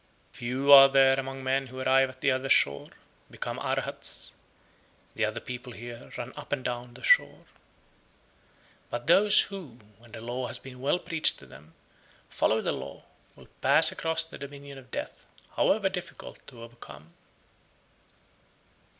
85. Few are there among men who arrive at the other shore (become Arhats); the other people here run up and down the shore. 86. But those who, when the law has been well preached to them, follow the law, will pass across the dominion of death, however difficult to overcome.